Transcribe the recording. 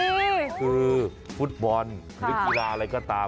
อุ๊ยคือฟุตบอลธุรกิราอะไรก็ตาม